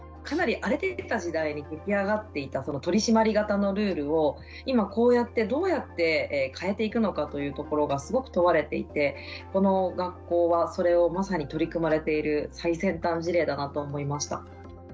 かなり荒れていた時代に出来上がっていたその取締り型のルールを今こうやってどうやって変えていくのかというところがすごく問われていてこの学校はそれをまさに取り組まれている最先端事例だなと思いました。